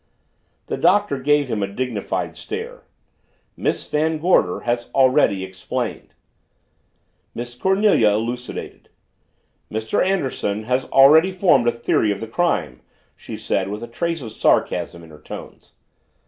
The Doctor gave him a dignified stare. "Miss Van Gorder has already explained." Miss Cornelia elucidated. "Mr. Anderson has already formed a theory of the crime," she said with a trace of sarcasm in her tones.